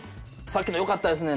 「さっきのよかったですね」